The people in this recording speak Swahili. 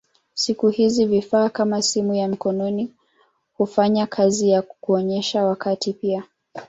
Siku hizi vifaa kama simu ya mkononi hufanya kazi ya kuonyesha wakati pia.